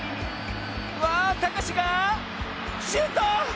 わあたかしがシュート！